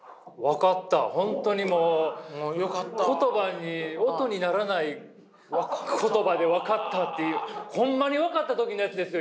本当にもう言葉に音にならない言葉で「分かった」っていうほんまに分かった時のやつですよ！